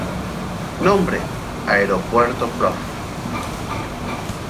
Nombre: Aeropuerto Prof.